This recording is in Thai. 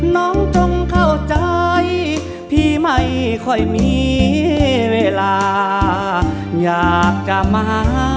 น้องจงเข้าใจพี่ไม่ค่อยมีเวลาอยากจะมา